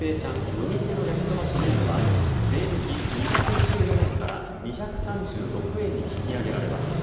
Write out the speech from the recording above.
夜店の焼そばシリーズは税抜き２１４円から２３６円に引き上げられます。